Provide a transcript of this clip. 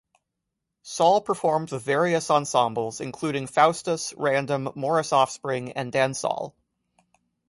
Saul performs with various ensembles including Faustus, Random, Morris Offspring and Dansaul.